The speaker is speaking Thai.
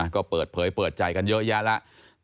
ก็เปิดเผยเปิดใจกันเยอะแยะแล้ว